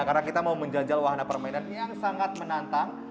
karena kita mau menjanjian wahana permainan yang sangat menantang